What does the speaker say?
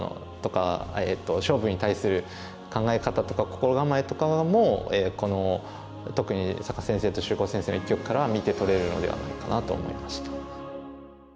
勝負に対する考え方とか心構えとかも特に坂田先生と秀行先生の一局からは見て取れるのではないかなと思いました。